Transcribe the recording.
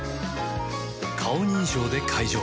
顔認証で解錠